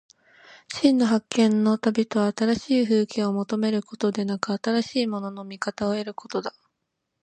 真の発見の旅とは、新しい風景を求めることでなく、新しいものの見方を得ることだ。